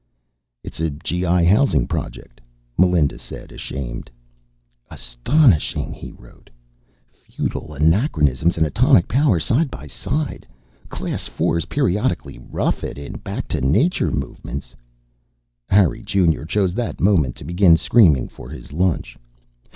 "It's a G.I. housing project," Melinda said, ashamed. "Astonishing." He wrote: Feudal anachronisms and atomic power, side by side. Class Fours periodically "rough it" in back to nature movements. Harry Junior chose that moment to begin screaming for his lunch.